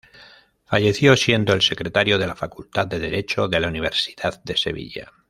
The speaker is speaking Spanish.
Falleció siendo el secretario de la Facultad de Derecho de la Universidad de Sevilla.